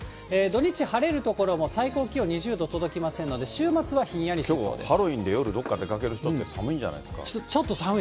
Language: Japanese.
土日晴れる所も、最高気温２０度届きませんので、週末はひんやりしそうです。